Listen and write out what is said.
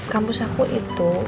kampus aku itu